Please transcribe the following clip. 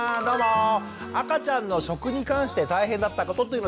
赤ちゃんの食に関して大変だったことというのをですね